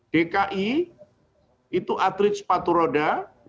dki itu atlet sepatu roda